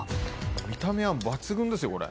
見た目は抜群ですよ、これ。